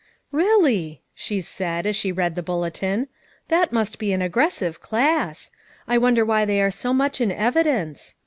"Really!" she said, as she read the bulle tin, "that must be an aggressive class. I wonder why they are so much in evidence?